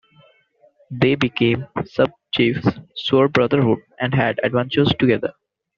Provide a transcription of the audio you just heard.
They became sub-chiefs, swore brotherhood and had adventures together.